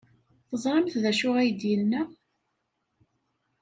Teẓramt d acu ay d-yenna?